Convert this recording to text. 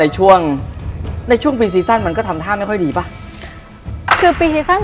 ช่วงราวนั้นเหมือน